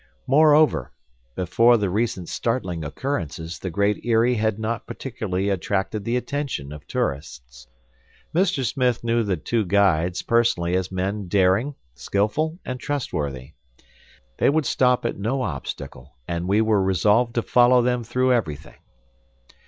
Moreover, before the recent startling occurrences the Great Eyrie had not particularly attracted the attention of tourists. Mr. Smith knew the two guides personally as men daring, skillful and trustworthy. They would stop at no obstacle; and we were resolved to follow them through everything.